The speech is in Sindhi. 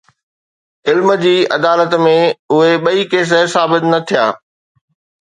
علم جي عدالت ۾ اهي ٻئي ڪيس ثابت نه ٿيا.